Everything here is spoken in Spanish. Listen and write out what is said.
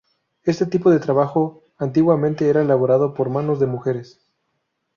Este tipo de trabajo antiguamente era elaborado por manos de mujeres.